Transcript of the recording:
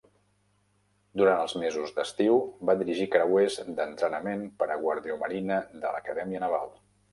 Durant els mesos d'estiu, va dirigir creuers d'entrenament per a guardiamarina de l'Acadèmia Naval.